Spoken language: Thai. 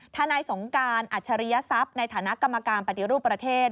ทนายสงการอัจฉริยศัพย์ในฐานะกรรมการปฏิรูปประเทศ